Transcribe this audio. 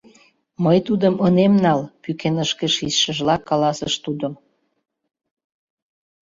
— Мый тудым ынем нал, — пӱкенышке шичшыжла каласыш тудо.